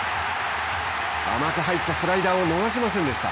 甘く入ったスライダーを見逃しませんでした。